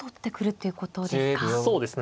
そうですね。